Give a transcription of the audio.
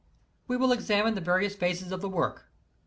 We will examine the various phases of the work.